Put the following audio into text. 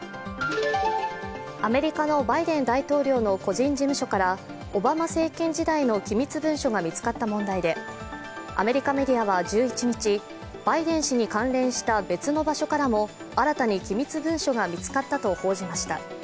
アメリカのバイデン大統領の個人事務所からオバマ政権時代の機密文書が見つかった問題でアメリカメディアは１１日、バイデン氏に関連した別の場所からも新たに機密文書が見つかったと報じました。